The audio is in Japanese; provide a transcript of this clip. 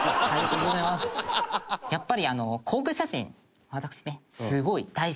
やっぱり。